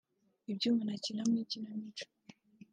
ibyo umuntu akina mu ikinamico